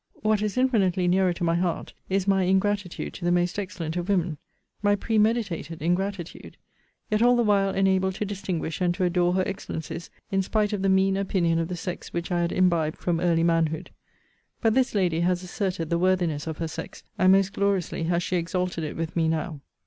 What is infinitely nearer to my heart, is, my ingratitude to the most excellent of women My premeditated ingratitude! Yet all the while enabled to distinguish and to adore her excellencies, in spite of the mean opinion of the sex which I had imbibed from early manhood. But this lady has asserted the worthiness of her sex, and most gloriously has she exalted it with me now.